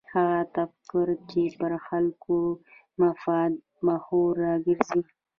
هغه تفکر چې پر خلکو مفاد محور راګرځي.